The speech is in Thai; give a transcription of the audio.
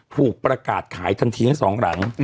ถูกประกาศขายทันทีทั้งสองหลัง